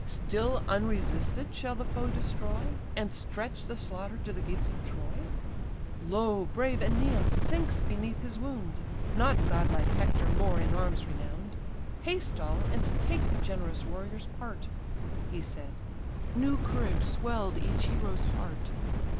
Still unresisted shall the foe destroy, And stretch the slaughter to the gates of Troy? Lo, brave Æneas sinks beneath his wound, Not godlike Hector more in arms renown'd: Haste all, and take the generous warrior's part. He said;—new courage swell'd each hero's heart.